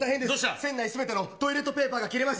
船内すべてのトイレットペーパーが切れました。